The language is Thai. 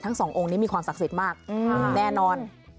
สององค์นี้มีความศักดิ์สิทธิ์มากแน่นอน